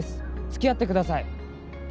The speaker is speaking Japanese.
付き合ってください